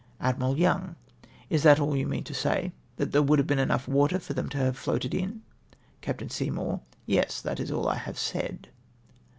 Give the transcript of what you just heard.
Admiral Young. —" Is that all you mean to say, that there would have been water enough for them to have floated in ?" Capt. Seymour. —" Yes. That is all I have said."